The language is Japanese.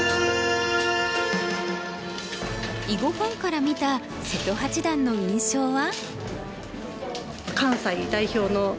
囲碁ファンから見た瀬戸八段の印象は？